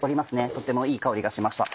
とってもいい香りがしました。